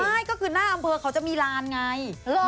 ไม่ก็คือหน้าอำเภอเขาจะมีลานไง